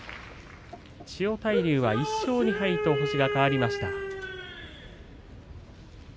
千代大龍は１勝２敗と星が変わりました。